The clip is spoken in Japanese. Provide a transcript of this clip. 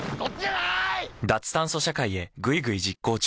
脱炭素社会へぐいぐい実行中。